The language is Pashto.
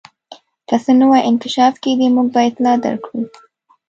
که څه نوی انکشاف کېدی موږ به اطلاع درکړو.